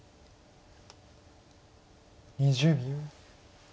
２０秒。